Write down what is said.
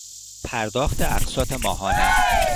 پرداخت اقساط ماهانه